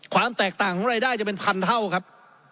ความแตกต่างของรายได้จะเป็นพันเท่าครับ